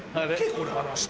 これ放して。